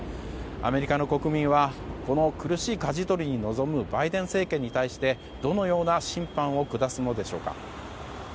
アメリカの国民はこの苦しいかじ取りに臨むバイデン政権に関してどのような審判を下すのでしょうか。